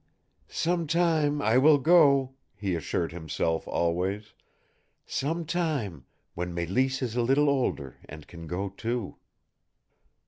"Some time I will go," he assured himself always. "Some time, when Mélisse is a little older, and can go too."